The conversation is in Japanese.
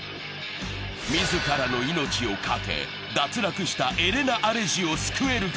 自らの命をかけ、脱落したエレナ・アレジを救えるか。